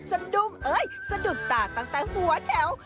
สะดุ้งเอ้ยสะดุดตาตั้งแต่หัวแถว